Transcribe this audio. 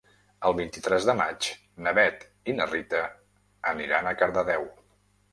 El vint-i-tres de maig na Bet i na Rita aniran a Cardedeu.